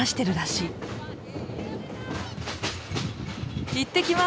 いってきます！